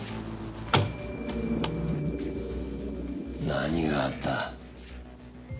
何があった？